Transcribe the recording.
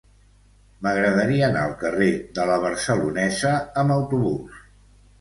M'agradaria anar al carrer de La Barcelonesa amb autobús.